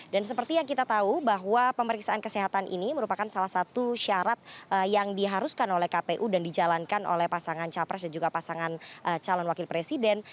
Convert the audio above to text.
dan seperti yang kita tahu bahwa pemeriksaan kesehatan ini merupakan salah satu syarat yang diharuskan oleh kpu dan dijalankan oleh pasangan capres dan juga pasangan calon wakil presiden